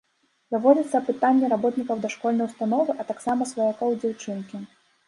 Праводзяцца апытанні работнікаў дашкольнай установы, а таксама сваякоў дзяўчынкі.